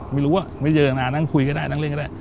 ไม่รู้ไม่เจอนะนั่งคุยก็ได้นั่งเล่นก็ได้